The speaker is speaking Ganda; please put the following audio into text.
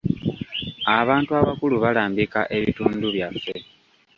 Abantu abakulu balambika ebitundu byaffe.